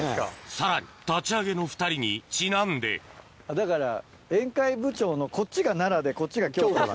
さらに立ち上げの２人にちなんでだから宴会部長のこっちが奈良でこっちが京都。